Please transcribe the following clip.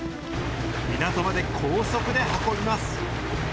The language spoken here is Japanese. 港まで高速で運びます。